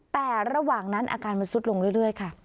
แต่ระหว่างนั้นอาการมันซุดลงเรื่อยค่ะ